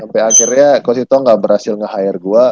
sampe akhirnya kocito ga berhasil nge hire gua